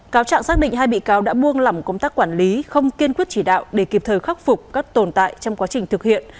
cáo trạng xác định hai bị cáo đã buông lỏng công tác quản lý không kiên quyết chỉ đạo để kịp thời khắc phục các tồn tại trong quá trình thực hiện